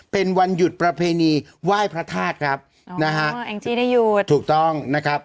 เป็นวันหยุดประเพณีไหว้พระธาตุครับนะฮะแองจี้ได้หยุดถูกต้องนะครับ